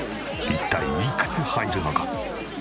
一体いくつ入るのか？